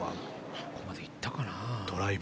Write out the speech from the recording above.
どこまで行ったかな。